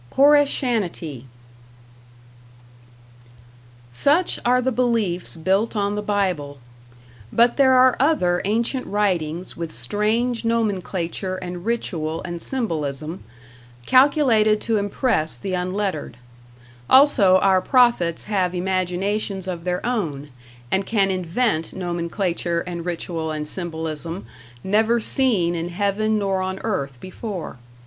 #Koreshanity# Such are the beliefs built on the Bible. But there are other ancient writings with strange nomenclature and ritual and symbolism, calculated to impress the unlettered; also our prophets have imaginations of their own, and can invent nomenclature and ritual and symbolism never seen in heaven nor on earth before.